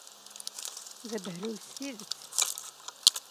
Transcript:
D abehlul s tidet!